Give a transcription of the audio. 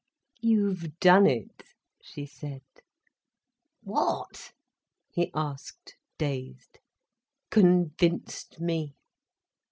"You've done it," she said. "What?" he asked, dazed. "Convinced me."